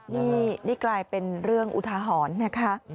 นี่กลายเป็นเรื่องอุทาหรณ์นะคะ